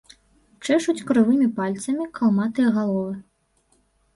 Чэшуць крывымі пальцамі калматыя галовы.